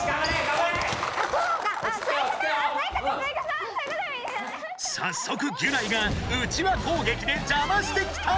さっそくギュナイがうちわ攻撃でじゃましてきた！